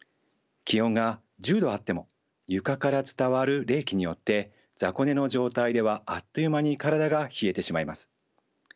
気温が１０度あっても床から伝わる冷気によって雑魚寝の状態ではあっという間に体が冷えてしまいます。